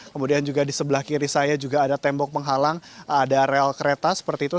kemudian juga di sebelah kiri saya juga ada tembok penghalang ada rel kereta seperti itu